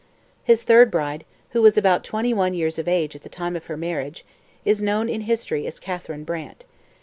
His third bride, who was about twenty one years of age at the time of her marriage, is known in history as Catherine Brant.